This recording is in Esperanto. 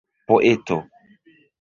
poeto